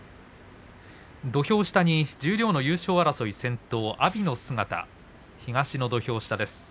土俵下に、十両の優勝争い先頭阿炎の姿東の土俵下です。